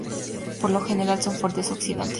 Por lo general son fuertes oxidantes.